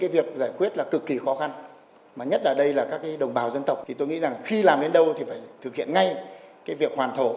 và các đồng bào dân tộc tôi nghĩ rằng khi làm đến đâu thì phải thực hiện ngay việc hoàn thổ